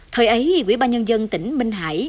thời ấy quỹ ba nhân dân tỉnh minh hải